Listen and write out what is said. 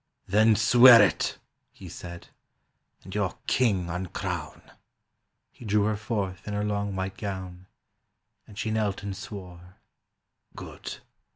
"Then swear it," he said, "and your king uncrown." He drew her forth in her long white gown, And she knelt and swore. "Good.